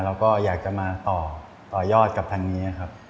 เราก็อยากจะมาต่อยอดกับทางนี้ครับ